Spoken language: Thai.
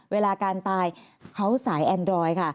เวลาการตายเขาสายแอนดรอยค่ะ